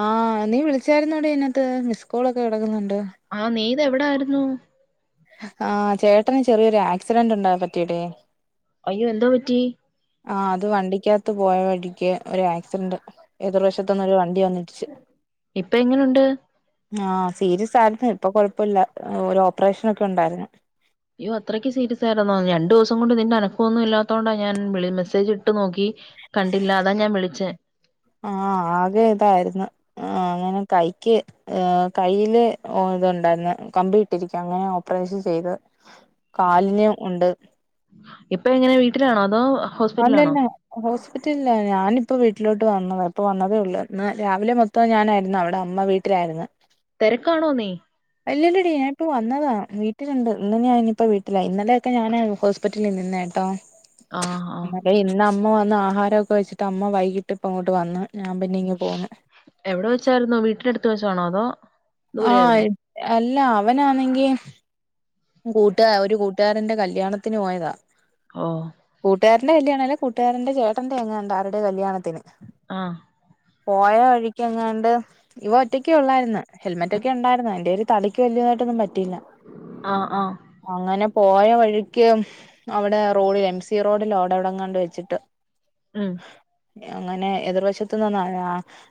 ആഹ് നീ വിളിച്ചായിരുന്നോടി ഇനത്ത് മിസ്കോളൊക്കെ കിടക്കുന്നുണ്ട് ആഹ് നീയിത് എവിടായിരുന്നു ആഹ് ചേട്ടന് ചെറിയൊരു ആക്സിഡന്റ് ഉണ്ടാ പറ്റിഡി അയ്യോ എന്തോ പറ്റി ആഹ അത് വണ്ടിക്കകത്ത് പോയ വഴിക്ക് ഒരു ആക്സിഡന്റ് ഏതിർ വശത്തുന്നു ഒരു വണ്ടി വന്നിടിച്ച് ഇപ്പ എങ്ങനുണ്ട് അയ്യോ ആഹ സീരിയസ് ആയിരുന്നു ഇപ്പൊ കൊഴപ്പമില്ല ഒരു ഓപ്പറേഷൻ ഒക്കെ ഉണ്ടായിരുന്നു യ്യോ അത്രക്ക് സീരിയസ് ആയിരുന്നോ രണ്ട് ദിവസം കൊണ്ട് നിന്റെ അനക്കൊന്നും ഇല്ലാത്തോണ്ട ഞാൻ വിളി മെസ്സേജ് ഇട്ട് നോക്കി കണ്ടില്ല അതാ ഞാൻ വിളിച്ചെ ആഹ ആകെ ഇതായിരുന്നു ആ അങ്ങനെ കൈക്ക് ഏ കയ്യില് ഇത്ണ്ടായിന്ന് കമ്പി ഇട്ടിരിക്ക അങ്ങനെ ഓപ്പറേഷൻ ചെയ്ത് കാലിന് ഉണ്ട് ഇപ്പൊ എങ്ങനെ വീട്ടിലാണോ അതോ ഹോസ്പിറ്റലിലാണോ ആ ഹോസ്പിറ്റലില ഞാനിപ്പോ വീട്ടിലോട്ട് വന്ന് ഇപ്പൊ വന്നതേ ഉള്ളൂ ഇന്ന് രാവിലെ മൊത്ത മൊത്തോം ഞാനായിരുന്നു അവിടെ അമ്മ വീട്ടിലായിരുന്നു തിരക്കാണോ നീ അല്ലല്ല ഡീ ഇപ്പ വന്നതാ വീട്ടിലുണ്ട് ഇന്ന് ഞാൻ ഇനിപ്പോ വീട്ടില ഇന്നലെയൊക്കെ ഞാനാ ഹോസ്പി പിറ്റലിൽ നിന്ന കേട്ടോ ആഹ ആ ഇന്നു അമ്മ വന്ന് ആഹാരമൊക്കെ വച്ചട്ട് അമ്മ വൈകിട്ട് ഇപ്പ അങ്ങോട്ട് വന്ന് ഞാൻ പിന്നെ ഇങ് പോന്നു വീട്ടിലടുത്ത് [unintelligible] ത്ത്. വെച്ചാണോ അതോ ദൂരെയായിരുന്നോ ആഹ് അല്ല അവനാണെങ്കി കൂട്ടുകാ ഒരു കൂട്ടുകാരൻന്റെ കല്യാണത്തിന് പോയതാ ഓ കൂട്ടുകാരന്റെ കല്യാണ അല്ല കൂട്ടുകാരന്റെ ചേട്ടന്റെ എങ്ങാണ്ട് ആരുടെയൊ കല്യാണത്തിന് ആഹ പോയ വഴിക്ക് എങ്ങാണ്ട് ഇവ ഒറ്റക്കെ ഉള്ളാരുന്ന് ഹെൽമറ്റക്കെ ഉണ്ടായിരുന്നു എന്റെ ഒരു തലക്ക് വലിയതായിട്ടൊന്നും പറ്റയില്ല ആഹ ആഹ അങ്ങനെ പോയ വഴിക്ക് അവിടെ റോഡിൽ എം സി റോഡില അവിട എവിടെങ്ങാണ്ടോ വെച്ചിട്ട് ഉ ഉം അങ്ങനെ എതിർവശത്തുന്ന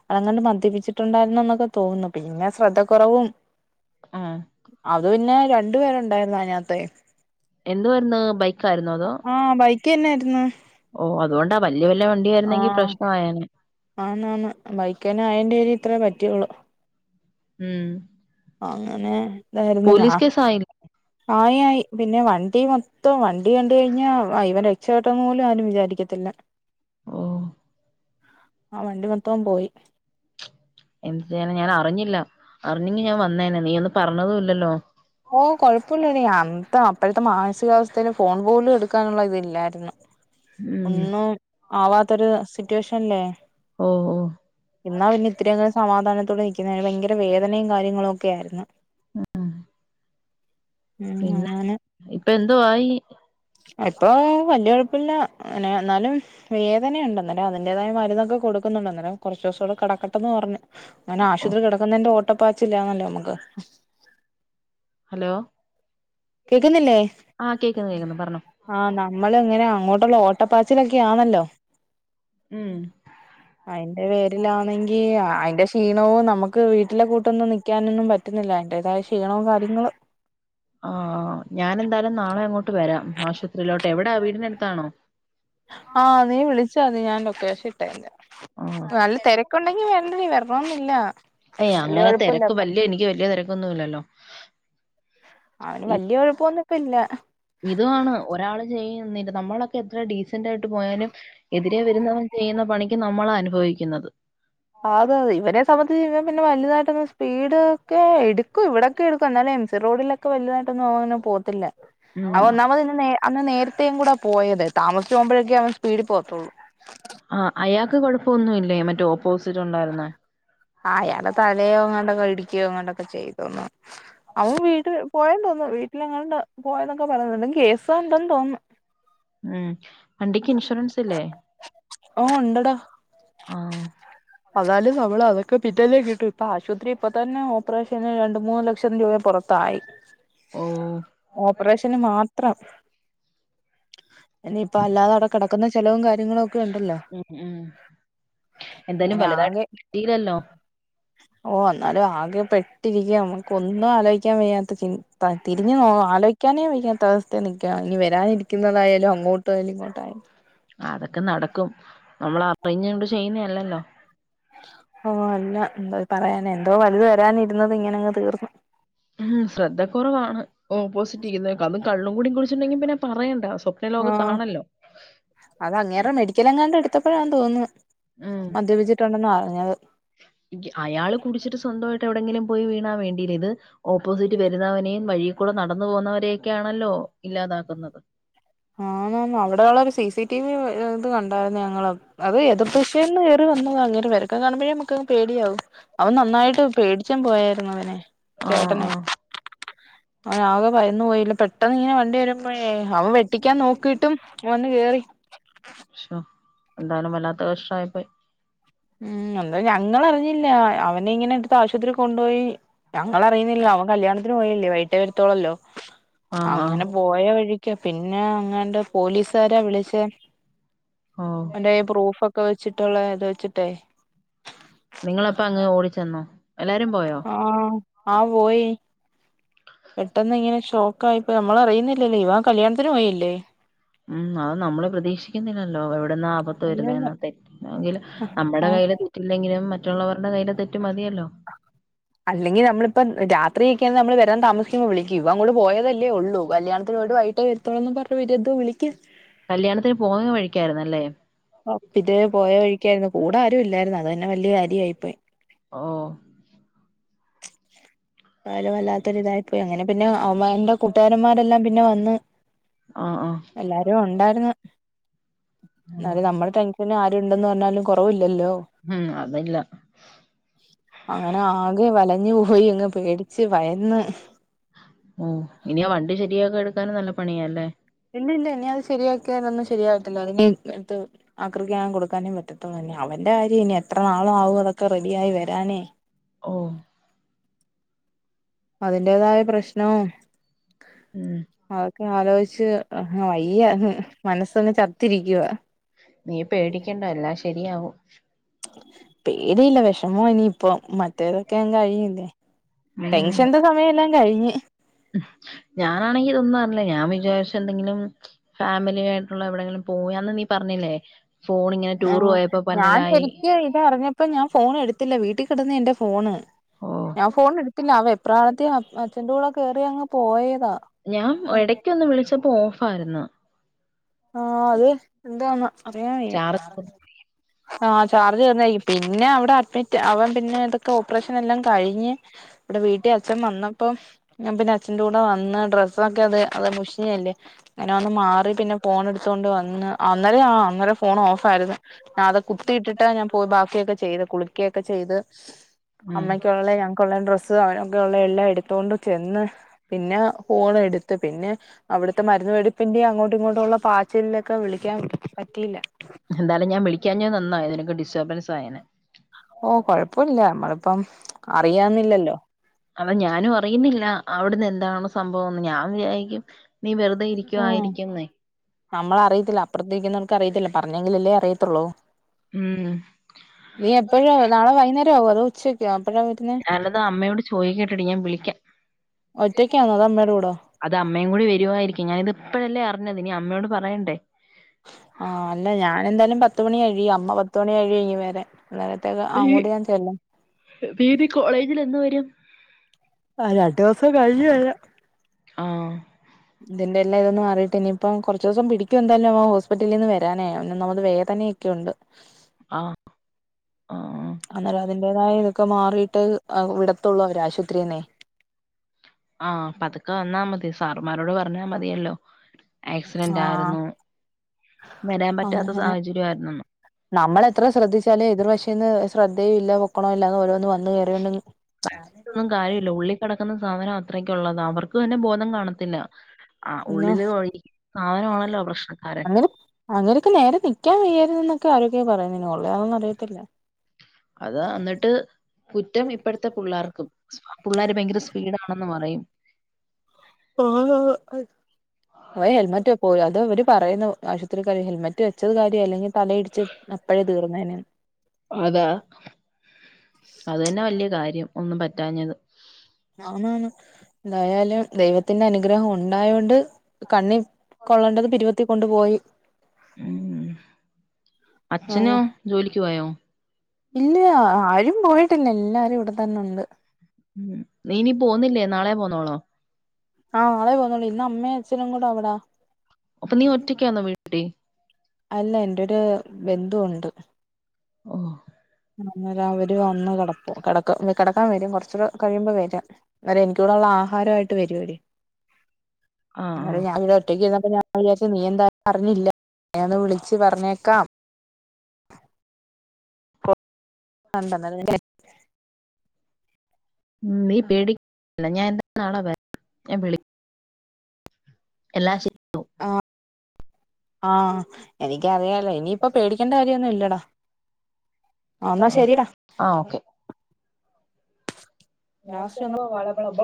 അളങ്ങണ്ട് മദ്യപ്പിച്ചിട്ടുണ്ടായിരുന്ന എന്നൊക്കെ തോന്നുന്നു പിന്നെ ശ്രദ്ധ കുറവും ആഹ് അത് പിന്നെ രണ്ടു പേരുണ്ട് ഉണ്ടായിരുന്നു അതിനകത്ത് എന്ത് വാരുന്ന ബൈക്ക് ആയിരുന്നോ അതോ ആഹ ബൈക്ക് തന്നായിരുന്നു ഓ അതുകൊണ്ടാ വല്യ വല്ല വണ്ടിയ ആയിരുന്നെങ്കി പ്രശ്നമായേനെ ആന്നന്ന് ബൈക്ക തന്നെ അയന്റെേ പേരിൽ ഇത്രേ പറ്റിയുള്ളു ഉം അങ്ങനെ ഇതായിരുന്നു ഞാ പോലീസ് കേസായില്ലേ ആയി ആയി പിന്നെ വണ്ടി മൊത്തം വണ്ടി കണ്ട് കഴിഞ്ഞാ ഇവൻ രക്ഷപ്പെട്ടന്ന് പോലും ആരും വിചാരിക്ക ത്തില്ല ഓഹ ആ വണ്ടി മൊത്തം പോയി എന്ത്‌ ചെയ്യാന ഞാൻ അറിഞ്ഞില്ല അറിഞ്ഞെങ്കി ഞാൻ വന്നേനെ നീയന്ന് പറഞ്ഞതും ഇല്ലല്ലോ ഓ കൊഴപ്പമില്ല ഡി അന്നത്തെ അപ്പഴത്തെ മാനസികാവസ്ഥയിൽ ഫോൺ പോലും എടുക്കാനുള്ള ഇതില്ലാരുന്നു ഉം ഒന്നും ആവാത്തൊരു സിറ്റുവേഷൻ ല്ലേ ഓ ഓ ഇന്നാ പിന്നെ ഇത്ര എങ്കിലും സമാധാനത്തോടെ നിൽക്കുന്നതിന് ഭയങ്കര വേദനയും കാര്യങ്ങളും ഒക്കെ ആയിരുന്നു ഉം ഉം ഉം പിന്നെ അങ്ങനെ ഇപ്പ എന്തോ ആയി എപ്പൊ വല്യ കൊഴപ്പില്ല അങ്ങനെ ന്നാലും വേദനയണ്ടന്നേരം അതിന്റേതായ മരുന്നൊക്കെ കൊടുക്കുന്നുണ്ട് അന്നേരം കുറച്ചുസൂടെ കിടക്കട്ടന്ന് പറഞ് അങ്ങനെ ആശുപത്രി കിടക്കുന്നതിന്റെ ഓട്ടപ്പാച്ചില്ലാന്നല്ലോ നമുക്ക് ഹലോ കേക്കുന്നില്ലേ ആ കേക്കുന്നു കേക്കുന്നു പറഞ്ഞോ ആഹ് നമ്മളിങ്ങനെ അങ്ങോട്ടുള്ള ഓട്ടപ്പാച്ചിലൊക്കെ ആണല്ലോ ഉം അയിന്റെ പേരിലാണെങ്കിൽ ഏയ് അതിൻ്റെ ക്ഷീണവും നമുക്ക് വീട്ടിലെ കൂട്ടൊന്നും നിൽക്കാനൊന്നും പറ്റുന്നില്ല അതിൻ്റേതായ ക്ഷീണവും കാര്യങ്ങളും ആഹ് ഞാനെന്തായാലും നാളെ അങ്ങോട്ട് വരാം ആശുപത്രിയിലോട്ട് എവിടാ വീടിനടുത്താണോ ആഹ് നീ വിളിചാരുന്നു ഞാൻ ലൊക്കേഷൻ ഇട്ടേന്റെ ആ നല്ല തിര കൊണ്ടെങ്കി വരണ്ടെടി വരണൊന്നില്ല ഏയ്‌ അങ്ങനെ തിരക്ക് വല്യ എനിക്ക് വല്യ തിരക്കൊന്നുല്ലല്ലോ അവന് വല്യ കൊഴപ്പൊന്നുംപ്പില്ല ഇതുവാണ് ഒരാള് ചെയ്യ എന്നില്ല നമ്മളൊക്കെ എത്ര ഡീസന്റ് ആയിട്ട് പോയാലും എതിരെ വരുന്നവൻ ചെയ്യുന്ന പണിക്ക് നമ്മളാ അനുഭവിക്കുന്നത് അത അതെ ഇവരെ സംബന്ധിച്ചിവൻ പിന്നെ വലുതായിട്ടൊന്ന് സ്പീഡ് ഒക്കെ എടുക്കും ഇവിടൊക്കെ എടുക്കും എന്നാലും എം സി റോഡിലൊ ക്കോ വൽതായിട്ടൊന്നുംങ്ങനെ പോകത്തില്ല അവ ഉം ഒന്നാമതിന്ന അന്ന് നേരത്തേും കൂടാ പോയത് താമസിച്ച പോകുമ്പോഴേക്കെ അവൻ സ്പീഡിൽ പോകത്തുള്ളൂ ആഹ് അയാൾക്ക് കൊഴപ്പമൊന്നുല്ലേ മറ്റേ ഓപ്പോസിറ്റ് ഉണ്ടായിരുന്ന ആഹ് അയാള് തലയോ അങ്ങോട്ടൊക്കെ ഇടിക്കുകയോ അങ്ങോട്ടൊക്കെ ചെയ്തോന്നു അവൻ വീട്ടിൽ പോയ തോന്നുന്നു വീട്ടിലെങ്ങാണ്ട് പോയെന്നൊക്കെ പറയുന്നുണ്ട് കേസാണ്ടെന്നു തോന്നുന്നു ഉം വണ്ടിക്ക് ഇൻഷുറൻസ് ഇല്ലേ ഓ ഉണ്ടടാ ആഹ് അതാലും മ്മള് അതൊക്കെ പിറ്റേന്ന് കിട്ടും ഇപ്പ ആശുപത്രി ഇപ്പ തന്നെ ഓപ്പറേഷന് രണ്ട് മൂന്ന് ലക്ഷം രൂപ പുറ ത്തായി ഓ ഓപ്പറേഷന് മാത്രം എനി പ്പ അല്ലാതെയവിടെ കിടക്കുന്ന ചെലവും കാര്യങ്ങളും ഒക്കെ ഉണ്ടല്ലോ ഉം ഉം എന്തായാലും അങ്ങനെ വലുതായിട്ട് കിട്ടിലല്ലോ ഓഹ് എന്നാലും ആകെ പെട്ടിരിക്ക നമുക്ക് ഒന്നും ആലോയ്ക്കാൻ വയ്യാ തി ചിൻ ത തിരിഞ്ഞു ആലോയ്ക്കാനേ വയ്യാത്ത അവസ്ഥയില് നിൽക്ക ഇനി വരാനിരിക്കുന്നതായാലും അങ്ങോ തൊഴിലിങ്ങോട്ടായ അതൊക്കെ നടക്കും നമ്മള് അറിഞ്ഞോണ്ട് ചെയ്യുന്നല്ലല്ലോ ഓഹ് അല്ല എന്താ പറയാനെ എന്തോ വലുത് വരാനിരുന്നത് ഇങ്ങനെ അങ്ങ് തീർന്നു ഉം ശ്രദ്ധ കുറവാണ് ഓപ്പോസിറ്റ്നിക്കുന്നെ അത കള്ളും കൂടി കുടിച്ചുണ്ടെങ്കി പിന്നെ പറയേണ്ട സ് ആഹ് അതങ്ങേരെ മെഡിക്കലെങ്ങാണ്ട് എടുത്തപ്പോഴാ തോന്നുന്നു ഉം മദ്യപിച്ചിട്ടുണ്ടെന്നറിഞ്ഞത് അയാള് കുടിച്ചിട്ട് സ്വന്തമായിട്ട് എവിടെങ്കിലും പോയി വീണാല് വേണ്ടിയില്ല ഇത് ഓപ്പോസിറ്റ് വരുന്നവനെയും വഴിക്കൂടെ നടന്നു പോകുന്നവരെയൊക്കെയാണല്ലോ ഇല്ലാതാക്കുന്നത് ആന്ന്ന്ന് അവിടെള്ള ഒരു സിസി ടി വി ഇത് കണ്ടായിരുന്നു ഞങ്ങള് അത് എതിർ ദിശേന്നു കേറി വന്നതാത് അങ്ങേരെ വെരുത്തം കാണുമ്പോഴേ നമുക്കങ് പേടിയാവും അവൻ നന്നായിട്ട് പേടിച്ചും പോയായിരുന്നു അനെ ആഹ് ആഹ് അവനാകെ ഭയന്ന് പോയില്ല പെട്ടെന്നിങ്ങനെ വണ്ടി വരുമ്പോഴെ അവൻ വെ ട്ടിക്കാൻ നോക്കിട്ടും ശ്ശോ എന്തായാലും വല്ലാത്ത കഷ്ടയിപ്പോയി ഉം എന്താ ഞങ്ങളറിഞ്ഞില്ല അവനിങ്ങനെ എടുത്ത് ആശുപത്രിൽ കൊണ്ടുപോയി ഞങ്ങൾ അറിയുന്നില്ല അവൻ കല്യാണത്തിന് പോയല്ലേ വൈട്ടെ വരത്തുള്ളുല്ലോ ആഹ് ആഹ് അങ്ങനെ പോയ വഴി ക്ക് പിന്നെ അങ്ങണ്ട് പോലീസാരാ വിളിച് ഓഹ് അവന്റെ പ്രൂഫ്‌ക് ക്കെ വെച്ചിട്ടുള്ള ഇത് വെച്ചിട്ടേ നിങ്ങളപ്പ അങ്ങ് ഓടിച്ചെന്നോ എല്ലാരും പോയോ ആ ആ പോയി പെട്ടെന്നിങ്ങനെ ഷോക്കായിപ്പോയി നമ്മള അറിയുന്നില്ലല്ലേ ഇവൻ കല്യാണത്തിന് പോയില്ലേ ഉം അത് നമ്മള് പ്രതീക്ഷിക്കുന്നില്ലല്ലോ എവിടുന്ന ആപത്ത് അല്ലല്ല വരുന്നന്ന് തെറ്റങ്കിൽ നമ്മുടെ ആഹ് കൈയ്യില് തെറ്റില്ലെങ്കിലും മറ്റുള്ളവരുടെ കയ്യില് തെറ്റ് മതിയല്ലോ ആ അല്ലെങ്കി നമ്മളിപ്പം രാത്രി ഒക്കെയാന്നേ നമ്മള് വരാൻ താമസിക്കുമ്പോ വിളിക്കും ഇവൻ അങ്ങോട്ട് പോയതല്ലേ ഉള്ളൂ കല്യാത്തിന് പോയിട്ട് വൈ ട്ടേ വരുത്തോളൂ എന്ന് പറഞ്ഞ് പിന്നെ എന്തുവാ വിളിക്കാൻ കല്യാണത്തിന് പോന്ന വഴിക്കായിരുന്നല്ലേ? ആ പിന്നെ പോയ വഴിക്കായിരുന്നു കൂടെ ആരും ഇല്ലായിരുന്നു അത് തന്നെ വല്യ കാര്യമായി പോയി ഓ [inaudible] എന്തായാലും വല്ലാത്തൊര് ഇതായി പോയി അങ്ങനെ പിന്നെ അവന്റെ കൂട്ടുകാരന്മാരെല്ലാം പിന്നെ വന്ന് ആഹ് ആഹ് എല്ലാരും ഉണ്ടായിരുന്നു എന്നാലും നമ്മുടെ ടെൻഷന് ആ ര് ഉണ്ടെന്ന് പറഞ്ഞാലും കുറവില്ലല്ലോ ഉം അതില്ല അങ്ങനെ ആകെ വലഞ്ഞു പോയി അങ്ങ് പേടിച്ച് ഭയന്ന് മ് ഇനി ആ വണ്ടി ശെരിയാക്കി എടുക്കാനും നല്ല പണിയാല്ലേ ഇല്ലില്ല ഇനി അത് ശരിയാക്കിയാലൊന്നും ശരിയാവത്തില്ല അത് ഇനി എടുത്ത് ആക്രിക്കെങ്ങാനം കൊടുക്കാനേ പറ്റത്തോളൂ ഇനി അവന്റെ കാര്യം ഇനി എത്രാനാളാവും അതൊക്കെ റെഡിയായി വരാനേ ഓ അതിന്റേതായ പ്രശ്നവും ഉം അതൊക്കെ ആലോചിച്ച് അങ്ങ് വയ്യ മനസ്സങ്ങ് ചത്തിരിക്കുവാ നീ പേടിക്കണ്ട എല്ലാം ശരിയാവും പേടിയില്ല വിഷമാവാ ഇനിയിപ്പ മറ്റേവരൊക്കെ അങ്ങ് കഴിഞ്ഞില്ലേ ടെൻഷന്റെ സമയമെല്ലാം അങ്ങ് കഴിഞ്ഞ് ഞാനാണെങ്കിൽ ഇതൊന്നും അറിഞ്ഞില്ല ഞാൻ വിചാരിച്ച് എന്തെങ്കിലും ഫാമിലി ആയിട്ടുള്ള എവിടെങ്കിലും പോയാന്ന് നീ പറഞ്ഞില്ലേ ഫോൺ ഇങ്ങനെ ആ ടൂർ പോയപ്പോ ഞാൻ പന്നലായി ശരിക്കും ഇതറിഞ്ഞ പ്പോ ഞാൻ ഫോൺ എടുത്തില്ല വീട്ടിൽ കിടന്ന് എന്റെ ഫോണ് ഓ ഞാൻ ഫോൺ എടുത്തില്ല ആ വെപ്രാളത്തിൽ അച്ഛന്റെ കൂടെ കയറി അങ്ങ് പോയതാ ഞാൻ എടയ്ക്ക് ക്ക് ഒന്ന് വിളിച്ചപ്പോ ഓഫ് ഫായിരുന്നു ആഹ് അത് എന്താന്നാ അറിയാവയ്യാ ചാർജ് ഉം ആ ചാർജ് തീർന്നായിരിക്കും പിന്നെ അവിടെ അഡ്മിറ്റ് അവൻ പിന്നെ ഇതൊക്കെ ഓപ്പറേഷൻ എല്ലാം കഴിഞ്ഞ് ഇവിടെ വീട്ടിൽ അച്ഛൻ വന്നപ്പം ഞാൻ പിന്നെ അച്ഛന്റെ കൂടെ വന്ന് ഡ്രസ്സൊക്കെ അത് അത് മുഷിഞ്ഞയല്ലേ അങ്ങനെ വന്ന് മാറി പിന്നെ ഫോൺ എടുത്തോണ്ട് വന്ന് അന്നരെ ആ അന്നേരം ഫോൺ ഓഫ് ആയിരുന്നു ആ അത് കുത്തിയിട്ടിട്ട് ഞാൻ പോയി ബാക്കിയൊക്കെ ചെയ്ത കുളിക്കയൊക്കെ ചെയ്ത് അമ്മയ്ക്കുള്ള ഞങ്ങൾക്കുള്ള ഡ്രസ്സ് അവനൊക്കെ ഉള്ള എല്ലാം എടുത്തോണ്ട് ചെന്ന് പിന്നെ ഫോൺ എടുത്ത് പിന്നെ അവിടുത്തെ മരുന്ന് മേടിപ്പിന്റേം അങ്ങോട്ടും ഇങ്ങോട്ടുള്ള പാച്ചിലിലൊക്കെ വിളിക്കാൻ പറ്റിയില്ല എന്തായാലും ഞാൻ വിളിക്കാഞ്ഞത് നന്നായി നിനക്ക് ഡിസ്റ്റർബൻസ് ആയേനേ ഓ കൊഴപ്പമില്ല നമ്മളിപ്പം അറിയാം അറിയാന്നില്ലല്ലോ അല്ല ഞാനും അറിയുന്നില്ല അവിടുന്ന് എന്താണ് സംഭവംന്ന് ഞാൻ വിചാരിച്ചു നീ വെറുതെ ഇരിക്കുവായിരിക്കുന്നേ നമ്മള് അറിയത്തില്ല അപ്പറത്തി രിക്കുന്നവർക്ക് അറിയത്തില്ല പറഞ്ഞെങ്കിലല്ലേ അറിയത്തുള്ളൂ ഉം നീ എപ്പോഴ നാളെ വൈകുന്നേരം ആകുവോ അതോ ഉച്ചയൊക്കെ ആകുവോ എപ്പോഴാ ഞാനത് അമ്മയോട് ചോദികേട്ടടി ഞാൻ വിളിക്കാം ഒറ്റയ്ക്കാന്നോ അത് അമ്മേടെ കൂടോ അത് അമ്മയും കൂടി വരുവായിരിക്കും ഞാന ഇത് ഇപ്പോഴല്ലേ അറിഞ്ഞത് ഇനി അമ്മയോട് പറയണ്ടേ ആഹ് അല്ല ഞാനന്തായാലും പത്തുമണി കഴിയ അമ്മ പത്തുമണി കഴിയും വരാൻ നേരത്തേക്ക നീ അങ്ങോട്ട് ഞാൻ ചെല്ലാം നീ ഇനി കോളേജിൽ എന്ന് വരും ആ രണ്ടു ദിവസം കഴിഞ്ഞു വരാം ആഹ് ഇതിന്റെ എല്ലാം ഇതൊന്ന്‌ മാറിട്ട് ഇനിപ്പ കുറച്ച് ദിവസം പിടിക്കും എന്തായാലും അവൻ ഹോസ്പിറ്റിൽ നിന്ന് വരാനേ അവന് ഒന്നാമത് വേ തനെയൊക്കെണ്ട് ആഹ് [inaudible] അന്നേരം അതിന്റേതായ ഇതൊക്കെ മാറിട്ട് വിടത്തുള്ളൂ അവര് ആശുപത്രിന്നേ ആഹ് പ്പതുക്കെ വന്നാൽ മതി സാറുമാരോട് പറഞ്ഞാൽ മതിയല്ലോ ആക്സിഡന്റ് ആ ആയിരുന്നു വരാൻ പറ്റാത്ത അങ്ങനെ സാഹചര്യമായിരുന്നു നമ്മൾ എത്ര ശ്രദ്ധിച്ചാലേ എതിർ പശ്യേന്ന് ശ്രദ്ധയയും ഇല്ല പൊക്കണോല്ലല്ലന്ന് ഓരോന്ന് വന്ന് കയറിയോണ്ട് ബൊന്നും കാര്യല്ല ഉള്ളി കിടക്കുന്ന സാധനം അത്രക്കുള്ളതാ അവർക്ക് തന്നെ ബോധം കാണത്തില്ല ആ ഒന്ന് ഉള്ളില് വഴി സാധനമാണല്ലോ പ്രശ്നക്കാരൻ അവർക്ക് നേരെ നിൽക്കാൻ വയ്യായിരുന്നു എന്നൊക്കെ ആരോഗ്യ പറയുന്ന കൊള്ള അതൊന്നും അറിയത്തില്ല അതാ ന്നിട്ട് കുറ്റം ഇപ്പോഴത്തെ പിള്ളേർക്കും പിള്ളേർ ഭയങ്കര സ്പീഡാണെന്ന് പറയും ഓ അ ഓ ഹെൽമെറ്റ് പോ അത് അവ പറയുന്നു ആശുപത്രിക്കാര് ഹെൽമറ്റ് വെച്ചത് കാര്യ അല്ലെങ്കിൽ തലയിടിച്ച് അപ്പഴേ തീർന്നേനെ അതാ അത് തന്നെ വലിയ കാര്യം ഒന്നും പറ്റാഞ്ഞത് ആ എന്തായാലും ദൈവത്തിന്റെ അനുഗ്രഹം ഉണ്ടായൊണ്ട് കണ്ണി- കൊള്ളേണ്ടത് പിരികത്തി കൊണ്ട് പോയി ഉ അങ്ങനെ അച്ഛനോ ജോലിക്ക് പോയോ? ഇല്ല ആരും പോയിട്ടില്ല എല്ലാരും ഇവിടെ തന്നെ ഉണ്ട് ഉം നീ ഇനി പോന്നില്ലേ നാളെ പോന്നോളോ ആഹ് നളെ പോന്നോളൂ ഇന്ന് അമ്മയെച്ചനും കൂടെ അവിടാ അപ്പൊ നീ ഒറ്റക്കാന്നോ വീട്ടി അല്ല എന്റെരു ബന്ധുവുണ്ട് ഓഹ് ന്ന അവര് വന്ന് കിടപ്പും കടക്ക കിടക്കാൻ വരും കുറച്ചൂടെ കഴിയുമ്പോ വരും എന്നാല എനിക്കിടെള്ള ആഹാരയിട്ട് വരുടി ആഹ് എന്നാല ആഹ്. ഞാൻ ഒറ്റക്ക്ന്നപ്പോ ഞാൻ വിചാച്ച നീ എന്തായും അറിഞ്ഞില്ല ഞന്ന് വിളിച്ച് പറഞ്ഞേക്കാം കണ്ടന്ന ല്ലേ ഉം നീ പേടിക്ക ഞാൻ എന്താ നാളെ വരാ ഞാൻ വിളി ന്നാ ശ ശരി. ആഹ് ആഹ് എനിക്കറിയാലോ ഇനിയിപ്പ പേടിക്കേണ്ട കാര്യമൊന്നും ഇല്ലടാ എന്നാ ശരിട ആ ഓക്കെ ഞ ച ലാസ്റ്റ് ഒന്ന് വാളബളബ